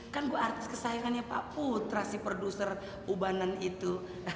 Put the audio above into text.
kan gue artis kesayangannya pak putra si produser ubanan itu